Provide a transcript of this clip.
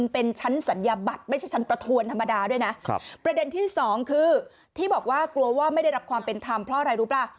เพราะว่าไม่ได้รับความเป็นธรรมเพราะอะไรรู้ป่ะ